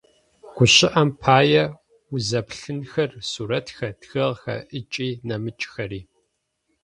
Гущыӏэм пае, узэплъынхэр, сурэтхэр, тхыгъэхэр ыкӏи нэмыкӏхэри.